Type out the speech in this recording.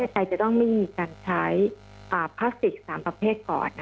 ไทยจะต้องไม่มีการใช้พลาสติก๓ประเภทก่อน